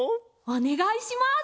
おねがいします！